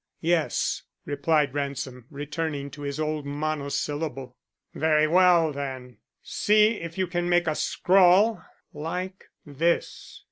"Yes," replied Ransom, returning to his old monosyllable. "Very well, then, see if you can make a scrawl like this."